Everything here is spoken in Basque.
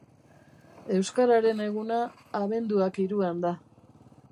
Euskararen eguna abenduak hiruan da.